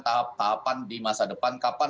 tahap tahapan di masa depan kapan